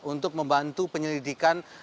untuk membantu penyelidikan